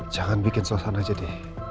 jangan bikin suasana jadi